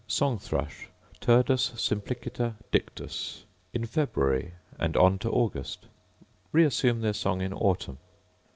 Song thrush, Turdus simpliciter dictus: In February and on to August, reassume their song in autumn.